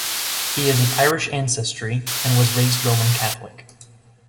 He is of Irish ancestry and was raised Roman Catholic.